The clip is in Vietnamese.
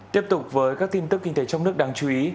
tiếp tục với các tin tức kinh tế trong nước đáng chú ý